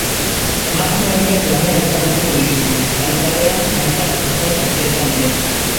Emakume horiek lanean ezagutuko ditugu, bai kalean, baita ertzain-etxeetan ere.